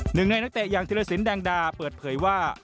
หนึ่งในนักเตะอย่างธิรสินแดงดาเปิดเผยว่า